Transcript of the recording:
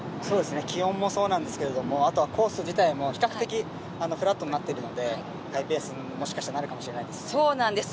気温もそうなんですけれども、コース自体も比較的、フラットになっているのでハイペースにもしかしたらなるかもしれないです。